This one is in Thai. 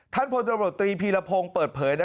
ท่านพลตรวจตรีพีรพงศ์เปิดเผยนะครับ